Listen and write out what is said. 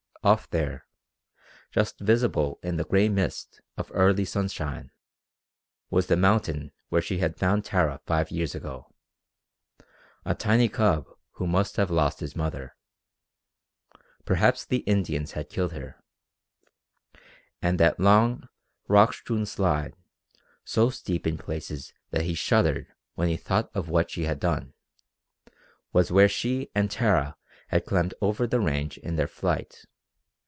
Off there, just visible in the gray mist of early sunshine, was the mountain where she had found Tara five years ago a tiny cub who must have lost his mother. Perhaps the Indians had killed her. And that long, rock strewn slide, so steep in places that he shuddered when he thought of what she had done, was where she and Tara had climbed over the range in their flight.